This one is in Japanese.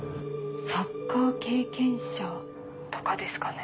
サッカー経験者。とかですかね。